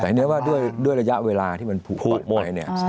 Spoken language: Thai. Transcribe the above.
แต่เนื้อว่าด้วยระยะเวลาที่มันผูกหมด